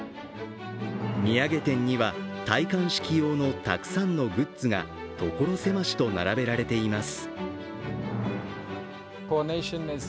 土産店には、戴冠式用のたくさんのグッズが所狭しと並べられています